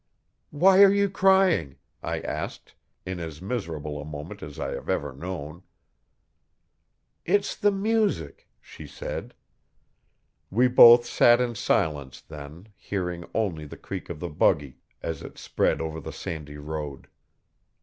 'Why are you crying?' I asked, in as miserable a moment as I have ever known. 'It's the music,' she said. We both sat in silence, then, hearing only the creak of the buggy as it sped over the sandy road.